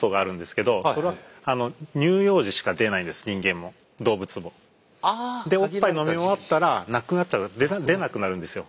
人間も動物も。でおっぱい飲み終わったらなくなっちゃう出なくなるんですよ。